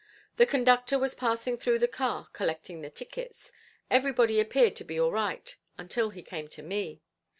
The conductor was passing through the car collecting the tickets, everybody appeared to be all right until he came to me.